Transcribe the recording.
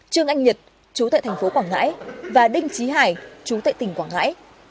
trương anh nhật chú tại thành phố quảng ngãi và đinh trí hải chú tại tỉnh quảng ngãi